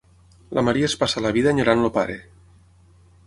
La Maria es passa la vida enyorant el pare.